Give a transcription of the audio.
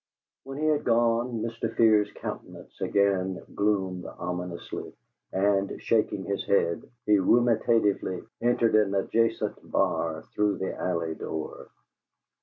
When he had gone, Mr. Fear's countenance again gloomed ominously, and, shaking his head, he ruminatively entered an adjacent bar through the alley door.